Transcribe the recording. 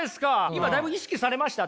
今だいぶ意識されました？